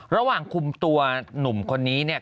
ระหว่างคุมตัวหนุ่มคนนี้เนี่ย